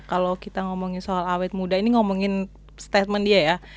kalau kita ngomongin soal awet muda ini ngomongin statement dia ya